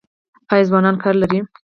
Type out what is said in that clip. آیا ځوانان کار لري؟